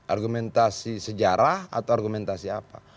argumentasi sejarah atau argumentasi apa